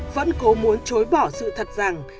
vẫn cố muốn chối bỏ sự thật rằng